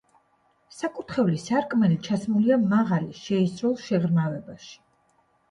საკურთხევლის სარკმელი ჩასმულია მაღალი შეისრულ შეღრმავებაში.